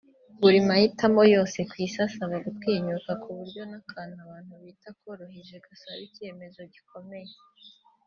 Buri mahitamo yose ku isi asaba gutinyuka ku buryo n’akantu abantu bita akoroheje gasaba icyemezo gikomeye